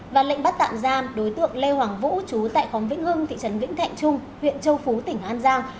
và lệnh bắt tạm giam đối tượng lê hoàng vũ chú tại khóng vĩnh hưng thị trấn vĩnh thạnh trung huyện châu phú tỉnh an giang